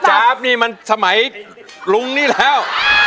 จ๊าบนี่มันสมัยลุงนี่แล้ว